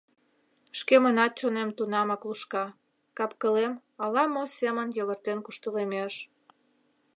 Шкемынат чонем тунамак лушка, кап-кылем ала-мо семын йывыртен куштылемеш...